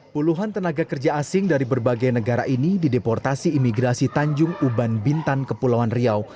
puluhan tenaga kerja asing dari berbagai negara ini dideportasi imigrasi tanjung uban bintan kepulauan riau